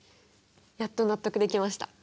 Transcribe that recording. やっと納得できました。